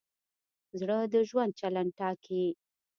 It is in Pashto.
زړه د ژوند چلند ټاکي.